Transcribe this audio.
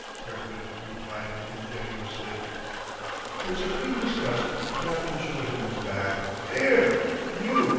Kirkwood replied ingenuously. In supreme disgust the captain showed him his back. "'Ere, you!"